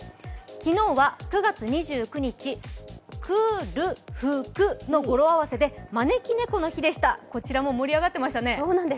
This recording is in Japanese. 昨日は９月２９日、９る２９の語呂合わせで招き猫の日でした、こちらも盛り上がっていましたね。